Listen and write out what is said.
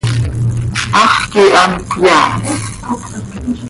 Hax quih hant cöyaas.